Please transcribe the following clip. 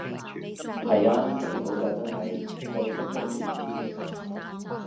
係啊，幾好㗎真係，夠適中